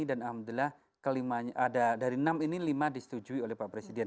dan alhamdulillah kelimanya ada dari enam ini lima disetujui oleh pak presiden